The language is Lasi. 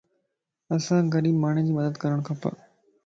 اسانک غريب ماڻھين جي مدد ڪرڻ کپ